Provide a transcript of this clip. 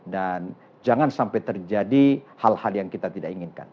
jangan sampai terjadi hal hal yang kita tidak inginkan